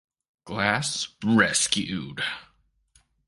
Glass rescued.